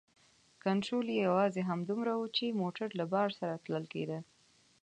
کنترول یې یوازې همدومره و چې موټر له بار سره تلل کیده.